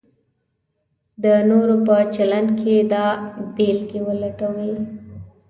د نورو په چلند کې دا بېلګې ولټوئ: